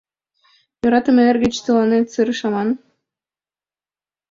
Йӧратыме эргыч тыланет сырыш аман!